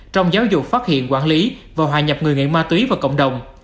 trong giáo dục phát hiện quản lý và hòa nhập người nghiện ma túy vào cộng đồng